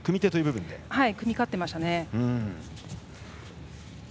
組み勝ってましたね。